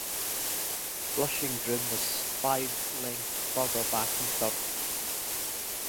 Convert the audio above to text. Blushing Groom was five length further back in third.